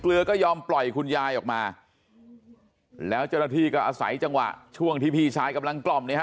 เรือก็ยอมปล่อยคุณยายออกมาแล้วเจ้าหน้าที่ก็อาศัยจังหวะช่วงที่พี่ชายกำลังกล่อมเนี่ยฮ